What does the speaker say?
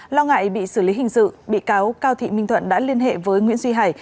lo ngại bị xử lý hình sự bị cáo cao thị minh thuận đã liên hệ với nguyễn duy hải